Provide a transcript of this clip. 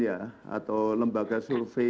atau lembaga survei